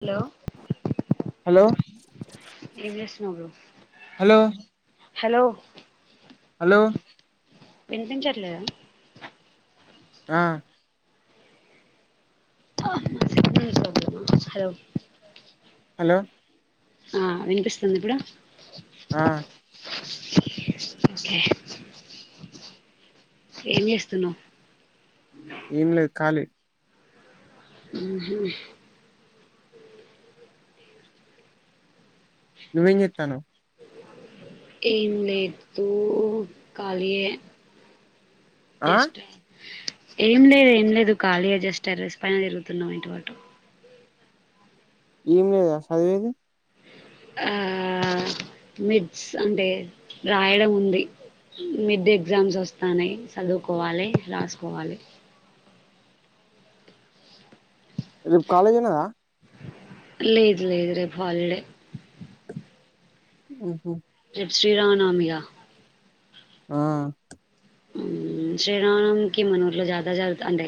Hello hello ఏం చేస్తున్నావ్ bro hello hello hello వినిపించట్లేదా ఆ హలో హలో ఆ వినిపిస్తుంద ఇప్పుడు ఆ ఓకే ఏం చేస్తున్నావ్ ఏం లేదు ఖాళీ ఉ హు నువ్వేం చెత్తాను ఏం లే దు కాలి యే ఆ డిస్టాప్ ఏం లేదు ఏం లేదు ఖాళీగా జస్ట్ టేర్రెస్ పైన తిరుగుతున్నాం ఇటు అటు ఏం లేదా చదివేది ఆ మిడ్డ్ అంటే రాయడం ఉంది మిడ్డే ఎగ్జామ్స్ వస్తానయి చదువుకోవాలి రాసుకోవాలి రేపు కాలేజున్నదా లేదు లేదు రేపు హాలిడే ఉహ రేపు శ్రీరామనవమిగా ఆ శ్రీరామనవమికి మనూర్లో జాతర జారుగుత అంటే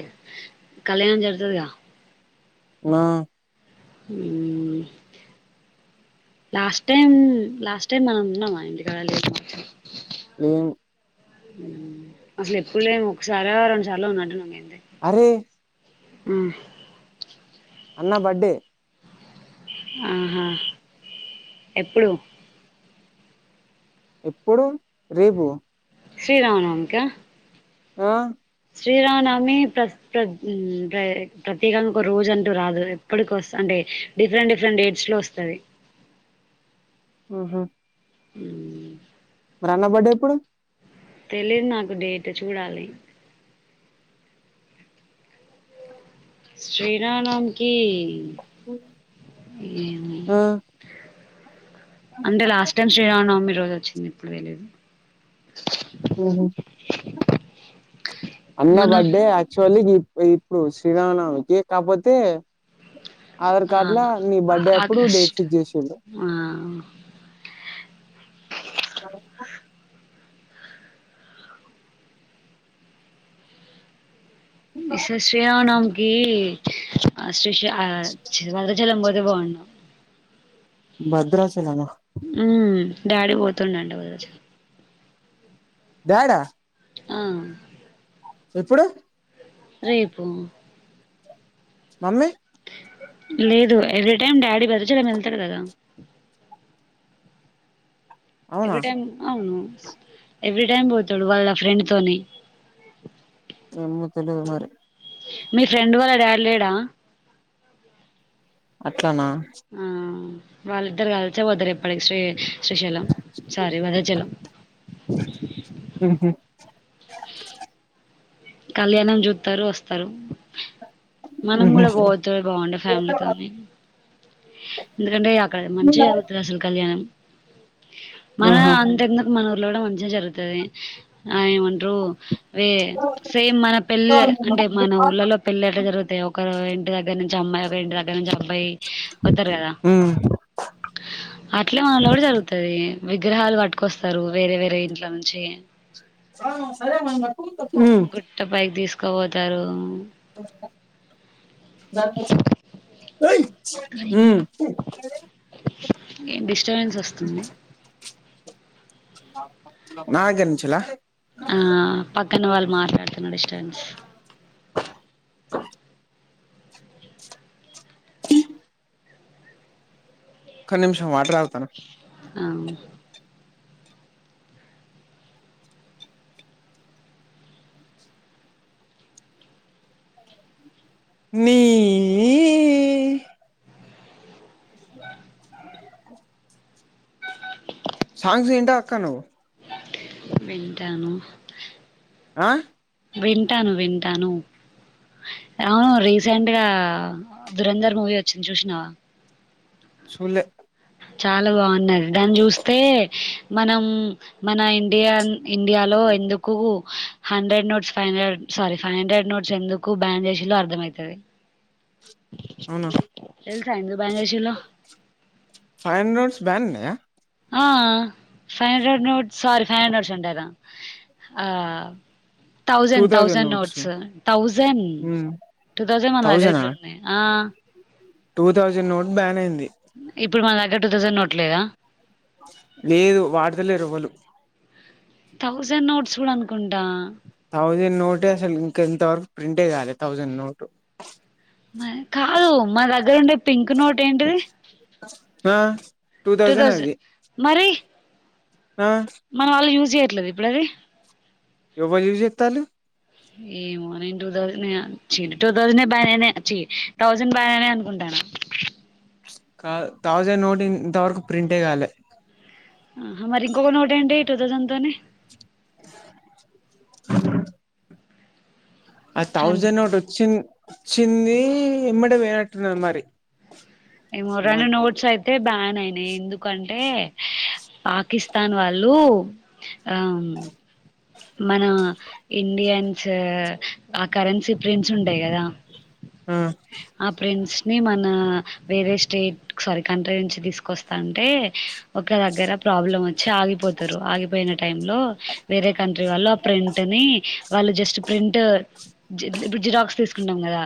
కళ్యాణం జరుగుతుదిగా నా ఉ లాస్ట్ టైం లాస్ట్ టైమ్ మనం ఉన్నా ఇంటికడా లెంకావచ్చు లేం అసలు ఎప్పుడు లేం ఒకసారి రెండు సార్లు ఉన్నట్టు న్నం మేము అరే ఉ అన్న బడ్డే ఆహా ఎప్పుడు ఎప్పుడు రేపు శ్రీరామనవమిక ఆ శ్రీరానమి ప్రత్ ప్రత్ ప్రత్యేకంగా ఒక రోజు అంటూ రాదు ఎప్పటికి అంటే డిఫరెంట్ డిఫరెంట్ డేట్స్ లో వస్తది హ్మ హ్మ హ్మ మరి అన్న బడ్డే ఏప్పుడు తెలిదు నాకు డేట్ చూడాలి శ్రీ రామనవమికీ ఆ అంటే లాస్ట్ టైం శ్రీరామనవమి రోజు వచ్చింది ఇప్పుడు తెలీదు అన్న మనూర్లో బడ్డే ఆక్చువలీ ఇప్పుడు శ్రీరామనవమికి కాకపోతే ఆధార్ కార్డులా ఆ నీ బర్త్డే అప్పుడు డేట్ ఆగస్ట్ ఫిక్స్ చేస్సిరు ఆ [inaudible] ఈసారి శ్రీరామ నవమికి ఆ శ్రీ ఆ జనవరి వన్ భద్రాచలమా హ్మ డాడీ పోతుందట ఆరోజు బ్యాడ్ ఆ ఏప్పుడు రేపు మమ్మీ లేదు ఎవ్రీ టైమ్ డాడీ [unintelligible] వెళ్తాడు కదా అవునా ఎవ్రీ టైం అవును ఎవ్రీ టైమ్ పోతాడు వాళ్ళ ఫ్రెండ్ తోని ఏమో తెలిదు మరి మీ ఫ్రెండ్ వాళ్ళ డాడ్ లేడా అట్లానా ఆ వాళ్ళిద్దరు కలిసే పోతారు ఎప్పటికి శ్రీ శ్రీశైలం సోరి భద్రాచలం ఉహు కళ్యాణం జుత్తారు వస్తారు మనం ఉహు కూడా పోతే బాగుండు ఫ్యామిలీతోోని ఎందుకంటే అక్కడ మంచిగా జరుగుతుంది అసలు కళ్యాణం మన అంత ఎందుకు మన ఊర్లో కూడా మంచిగా జరుగుతది ఆ ఏమంటారు సేమ్ మన పెళ్ళ ఆహా అంటే మన ఊళ్ళలో పెళ్లే ఎట్టా జరుగుతాయో ఒక ఒక ఇంటి దగ్గర నుంచి అమ్మాయి ఒక ఇంటి దగ్గర నుంచి అబ్బాయి వత్తారు కదా ఉమ్ అట్లే మనఉలో కూడా జరుగుతది విగ్రహాలు పట్టుకొస్తారు వేరే వేరే ఇంట్ల నుంచి ఆ సరే మమ్ గుట్ట పైకి తీసుకో పోతారు [inaudible] ఏ డిస్టర్బెన్స్ వస్తుంది నాకేనించెల్లా ఆ పక్కన వాళ్ళు మాట్లాడుతున్నా డిస్టర్బన్స్ య ఒక నిమిషం వాటర్ తాగుతున్న ఆమ్ నీ థ ఆ సాంగ్స్ ఇంటావా అక్క నువ్వు వింటాను ఆ వింటాను వింటాను. ఆ రీసెంట్గా దురంధర్ మూవీ వచ్చింది. చూసినావా సుల్లే చాలా బాగున్నది. దాన్ని చూస్తే మనం మన ఇండియా ఇండియాలో ఎందుకు hundred notes five hundred sorry five hundred notes ఎందుకు బ్యాన్ చేసింల్లో అర్థమయితది. [inaudible] అవునా. త ఎందుకు బ్యాన్ జెసిల్లో ఫైవ్ హండ్రెడ్ నోట్స్ బ్యాన్ ఉన్నయా ఆ five hundred notes sorry five hundred notes అంటన్నా ఆ two thousand thousand thousand notes thousand ఉమ్ టూ థౌజండ్ మన దగ్గర థౌజండా ఇప్పుడు ఉన్నాయి ఆ టూ తౌసండ్ నోట్ బ్యాన్ అయింది. ఇప్పుడు మన దగ్గర టూ తౌజండ్ నోట్లేదా లేదు వాడతలేరు ఎవలు తౌజండ్ నోట్స్ కూడా అనుకుంటా తౌజండ్ నోటే అసలు ఇంకింత వరకు ప్రింటే కాలే తౌజండ్ నోటు కాదు మా దగ్గర ఉండే పింక్ నోట్ ఏంటిది? ఆ టూ థౌజండ్ అది తౌజండ్ మరి ఆ మన వాళ్ళు యూజ్ చేయట్లేదా ఇప్పుడు అది ఎవరు యూస్ జేతాల్లు ఏమో నేను టూ తౌసండ్ నేన్ చీ టూ తౌసండ్ బ్యాన్ అయినాయి తౌసండ్ బాన్ అయినాయి అనుకుంటాన [inaudible] కా తౌసండ్ నోట్ ఇంతవరకు ప్రింటేగాలే ఆహా మరి ఇంకొక నోట్ ఏంటి టూ తౌసండ్ తోనీ అ [inaudible] ఆ హన్ తౌసండ్ నోట్ వచ్చి వచ్చింది ఎమ్మడే పోయినట్టున్నది మరి ఏమో రెండు నోట్స్ అయితే బ్యాన్ అయినాయి. ఎందుకంటే పాకిస్తాన్ వాళ్ళు ఆ మన ఇండియన్స్ ఆ కరెన్సీ ప్రిన్స్ ఉంటాయి కదా ఆ ఆ ప్రింట్స్ అవి మన వేరే స్టేట్ సారీ కంట్రీ నుంచి తీసుకొస్తంటే ఒక దగ్గర ప్రాబ్లం వచ్చి ఆగిపోతారు. ఆగిపోయిన టైమ్ లో వేరే కంట్రీ వాళ్ళు ఆ ప్రింట్ ని వాళ్ళు జస్ట్ ప్రింట్ ఇప్పుడు జిరాక్స్ తీసుకుంటాం కదా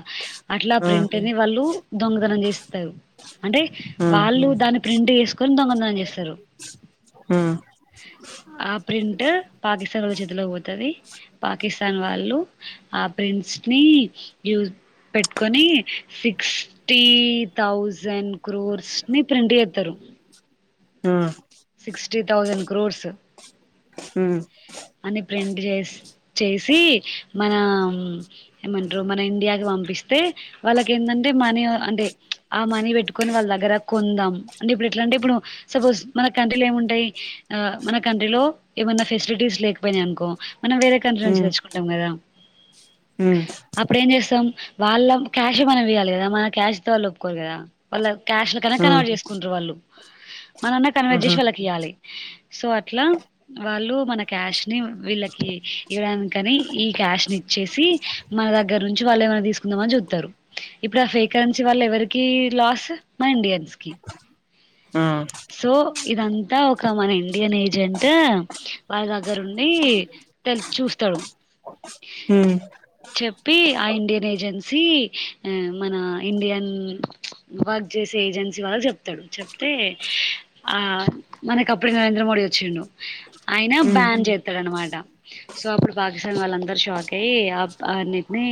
అట్లా ఆ ప్రింట్ నీ వాళ్ళు దొంగతనం చేస్తరు. అంటే ఆ ఆ వాళ్ళు దాన్ని ప్రిం ప్రింట్ తీసుకొని దొంగతనం చేస్తారు. ఆ ఆ ప్రింట్ పాకిస్తాన్ వాళ్ల చేతిల్లోకి పోతది పాకిస్తాన్ వాళ్ళు ఆ ప్రింట్స్ని యూస్ పెట్టుకొని సిక్స్టీ థౌజండ్ క్రోర్స్ ని ప్రింట్ ఎత్తరు. ఆ సిక్స్టీ థౌజండ్ క్రోర్స్ హుమ్ అని ప్రింట్ చేస్ చేసి మన ఏమంటరు. మన ఇండియాకి పంప్ పంపిస్తే వాళ్ళకి ఎందంటే మనీ అంటే ఆ మనీ వెట్టుకొని వాళ్ళ దగ్గర కొందాము అని ఎట్లాంటే ఇప్పుడు సపోజ్ మన కంట్రీ ఏముంటాయి మన కంట్రీలో ఏమన్నా ఫెసిలిటీస్ లేకపోయినాయి అనుకో మనం వేరే కంట్రీ నుంచి తెచ్చుకుంటాం కదా ఉమ్ ఉమ్ అప్పుడెం చేస్తాం వాళ్ళం క్యాషే మనం ఇయ్యాలి మన కాష్ ఇస్తేయ్ వాళ్లు ఒప్పుకోరు కదా క్యాష్ని కనుక ఆ కనవర్ట్ చేసుకుంటారు వాళ్ళు మనన్నా కన్వర్ట్ ఆహా చేసి వాళ్ళకి ఇయాలి సో అట్లా వాళ్ళు మన క్యాష్ ని వీళ్ళ ఈ ఇవ్వడానికీ ఈ కాష్ ఇచ్చేసి మనదగరిని వాల్లేమన్నతిసుకుందామని చుత్తరు ఇప్పుడు ఆ ఫేక్క్కరెన్సీ వాళ్లు ఎవరికి లాస్ మా ఇండియన్స్కి ఆ సో ఇదంతా ఒక మన ఇండియన్ ఏజెంట్ వాళ్ళ దగ్గరుండి తెల్ చూస్త తరు హ ఆ ఇండియన్ ఏజెన్సీ మన ఇండియన్ వర్క్ చేసే ఏజెన్సీ వాళ్ళ చెప్తాడు చెప్తే ఆ మనక అప్పుడు నరేంద్ర మోడీ వచ్చాడు ఆయన ఉమ్ బ్యాన్ చేస్తాడ అనమాట సో అప్పుడు పాకిస్తాన్ వాళ్ళందరుూ షాక్ అయ్యి ఆ అన్నిటిని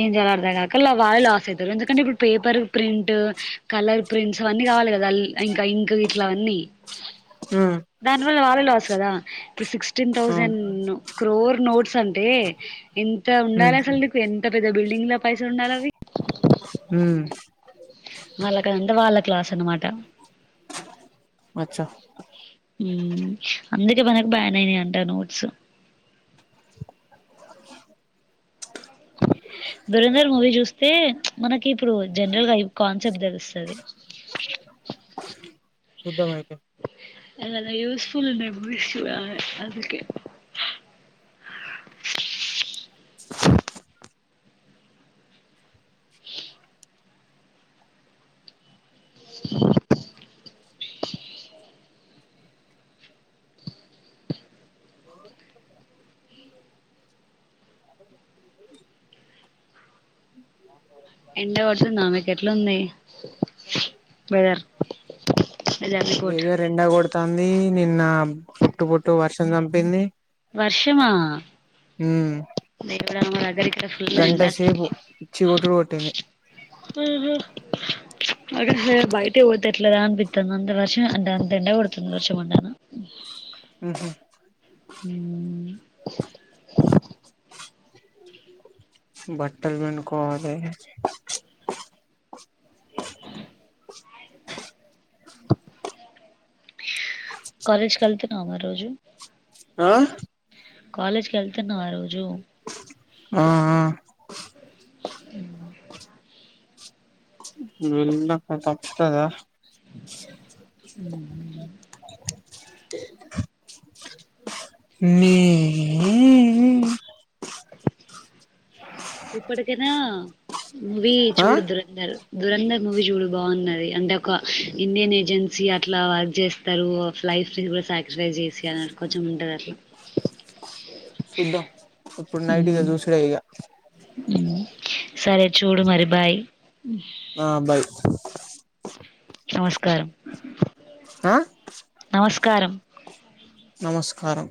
ఏం చెయ్యాలో అర్ధం కాక వాళ్ళే లాస్ అవుతారు ఎందుకంటే ఇప్పుడు పేపర్ ప్రింట్ కలర్ ప్రింట్స్ అన్నీ కావాలి కదా అ ఇంకా ఇంక వీట్ల అవన్నీ హ కదా ఇప్పుడు అవును సిటీన్సండ్ క్రో నోట్స్ అంటే ఎంత ఉమ్ ఉండాలి అసలు నీకు ఎంత పెద్ద బిల్డింగ్ లో పైస ఉండాలి అవి ఉమ్ వాళ్ళకా వాళ్ళ క్లాలాస్ అన్నమాటా అచ్చా అందుకే మనకు బ్యాన్ అయినా అంట నోట్స్ దూరందర్ మూవీ చూస్తే మనకి ఇప్పుడు జనరల్ గా కాన్సెప్ట్ తెలుపిస్తుంది [unintelligible] చూదాం అయితే అ ఉసేఫుల్ మెమోరీస్ అందుకే ఎండ పడుతుందిమెక ఎట్లు ఉంది వెదర్ వెలాభ బగ రెండ కొడుతుంది నిన్న పుట్టు పుట్టు వర్షం చంపింది వర్షమా మ్మ్ న ఎడ అ అగరి ఇక్కడ ఫుల్ ఎండ అసలు సేపు పిచ్చి కొట్టుడు కొట్టింది అ బయట పోతే ఎట్లేదా అనిపితాను అంత వర్షం అంటే అంత ఎండ పడుతుంది వర్షం వండ అ ఉహ హ బట్టలు పిండుకోవాలి కాలేజ్ వెళ్తానా మరి రోజు ఆ కాలేజ్ క వెళ్తున్నా ఆ రోజు ఉ ఉ వెళ్ల తప్తదా అ నీ నీ నీయీ ఇప్పటికైనా మూవీ ఆ చూడు దూరందర్ దురంధర్ మూవీ చూడు బాగున్నది అంటే ఒక ఇండియన్ ఏజెన్సీ అట్లా వర్క్ చేస్తారు అట్లా లైఫ్ కూడా సాక్రిఫైస్ చేసి అ కొంచెం ఉంటంది అట్లా సుదం ఇప్పుడు నైట్ కె చూసుడే ఇగ హ్మ్ సరే చూడు మరి బాయ్ ఆ బాయ్ నమస్కారం ఆ నమస్కారం నమస్కారం